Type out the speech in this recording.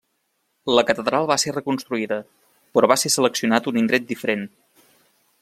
La catedral va ser reconstruïda, però va ser seleccionat un indret diferent.